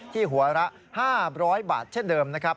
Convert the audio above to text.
หัวละ๕๐๐บาทเช่นเดิมนะครับ